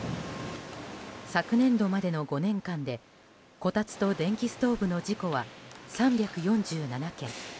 昨年度までの５年間でこたつと電気ストーブの事故は３４７件。